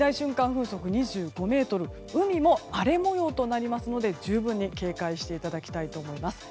風速２５メートル海も荒れ模様となりますので十分に警戒していただきたいと思います。